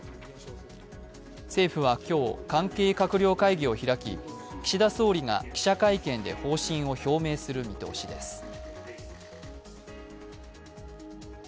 政府は今日、関係閣僚会議を開き、岸田総理が記者会見で方針を表明する見通しです。